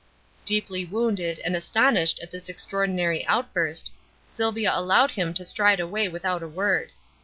Deeply wounded and astonished at this extraordinary outburst, Sylvia allowed him to stride away without a word.